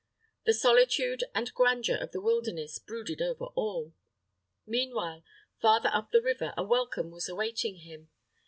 The solitude and grandeur of the wilderness brooded over all. Meanwhile, farther up the river, a welcome was awaiting him.